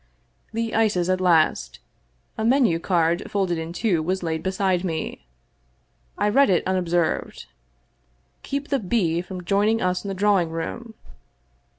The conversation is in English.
The ices at last. A menu card folded in two was laid beside me. I read it unobserved. " Keep the B. from join ing us in the drawing room."